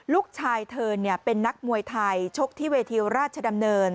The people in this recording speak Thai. ลูกชายเธอเป็นนักมวยไทยชกที่เวทีราชดำเนิน